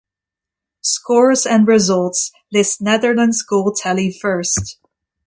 "Scores and results list Netherlands' goal tally first"